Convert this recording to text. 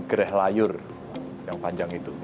gerah layur yang panjang itu